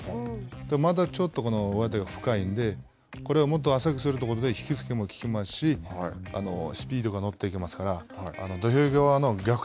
まだちょっとこの上手が深いんでこれをもっと浅くすると引き付けもききますしスピードが乗っていきますから土俵際の逆転